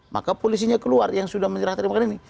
maka polisinya keluar yang sudah menyerah terima ini